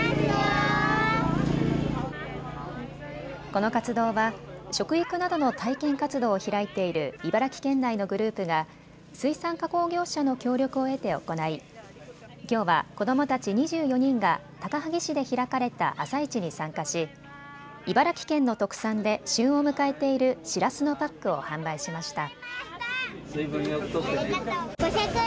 この活動は食育などの体験活動を開いている茨城県内のグループが水産加工業者の協力を得て行いきょうは子どもたち２４人が高萩市で開かれた朝市に参加し茨城県の特産で旬を迎えているしらすのパックを販売しました。